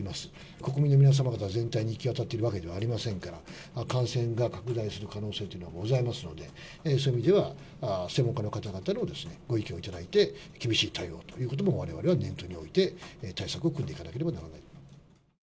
国民の皆様方全体に行き渡っているわけではありませんから、感染が拡大する可能性というのもございますので、そういう意味では専門家の方々にもご意見を頂いて、厳しい対応ということも、われわれは念頭に置いて、対策を組んでいかなければならない。